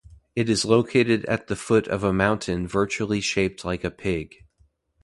It is located at the foot of a mountain virtually shaped like a pig.